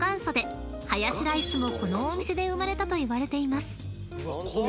［ハヤシライスもこのお店で生まれたといわれています］